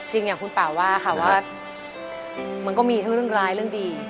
อย่างคุณป่าว่าค่ะว่ามันก็มีทั้งเรื่องร้ายเรื่องดี